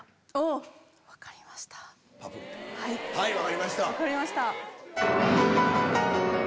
はい分かりました。